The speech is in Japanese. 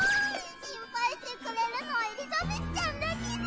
心配してくれるのはエリザベスちゃんだけだ。